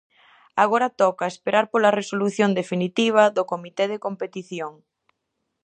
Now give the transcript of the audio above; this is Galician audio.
Agora toca esperar pola resolución definitiva do comité de competición.